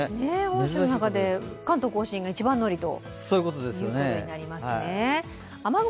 本州の中で関東甲信が一番乗りということになりますね。